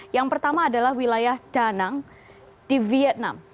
yang pertama adalah wilayah danang di vietnam